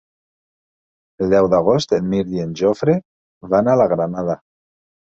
El deu d'agost en Mirt i en Jofre van a la Granada.